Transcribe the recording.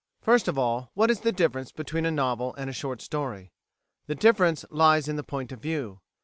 First of all, what is the difference between a novel and a short story? The difference lies in the point of view.